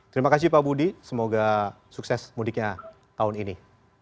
terima kasih pak budi semoga sukses mudiknya tahun ini